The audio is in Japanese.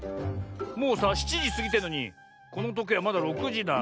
もうさ７じすぎてんのにこのとけいまだ６じだ。